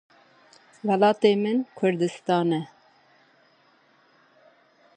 Mûşeka Sedr a balîstîk û posta serokkomariyê!